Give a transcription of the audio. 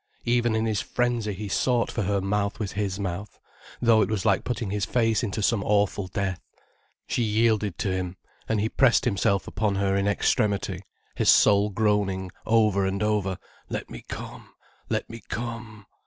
Even, in his frenzy, he sought for her mouth with his mouth, though it was like putting his face into some awful death. She yielded to him, and he pressed himself upon her in extremity, his soul groaning over and over: "Let me come—let me come."